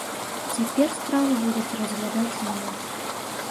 Цяпер справу будуць разглядаць зноў.